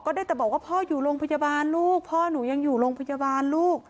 ได้แต่บอกว่าพ่ออยู่โรงพยาบาลลูกพ่อหนูยังอยู่โรงพยาบาลลูก